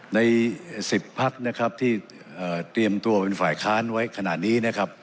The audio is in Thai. ใน๑๐ภาคที่เตรียมตัวเป็นฝ่ายค้านไว้ขนาดนี้